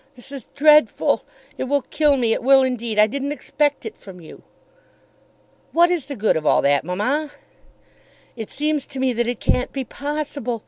"This is dreadful. It will kill me. It will indeed. I didn't expect it from you." "What is the good of all that, mamma?" "It seems to me that it can't be possible.